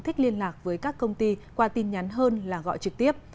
thích liên lạc với các công ty qua tin nhắn hơn là gọi trực tiếp